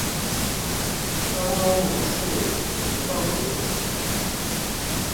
東歐模式以除垢為主